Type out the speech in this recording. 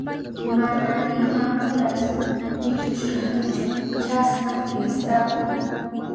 Mana ima uras rikushkanichu chasna fiestata.